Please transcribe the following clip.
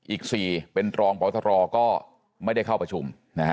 อีก๔เป็นตรองประวัติศาสตรอก็ไม่ได้เข้าประชุม